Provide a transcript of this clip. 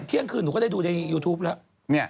เที่ยงคืนหนูก็ได้ดูในยูทูปแล้ว